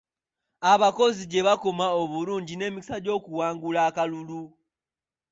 Abakozi gye bakoma obungi n'emikisa gy'okuwangula akalulu.